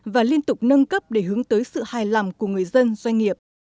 và liên tục nâng cấp để hướng tới sự hài lòng của người dân doanh nghiệp